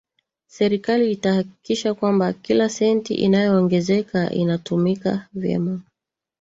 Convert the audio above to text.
Serikali itahakikisha kwamba kila senti inayoongezeka inatumika vyema